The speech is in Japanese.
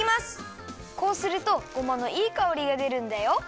こうするとごまのいいかおりがでるんだよ。